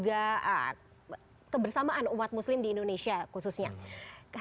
acara munajat dua ratus dua belas ini sebenarnya kehilangan fokus